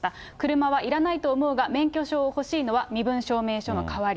車はいらないと思うが、免許証を欲しいのは身分証明書の代わり。